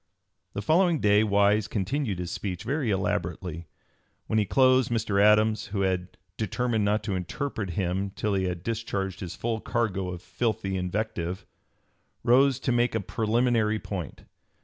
The following day Wise continued his speech, very elaborately. When he closed, Mr. Adams, who had "determined not to interrupt him till he had discharged his full cargo of filthy invective," rose to "make a preliminary point."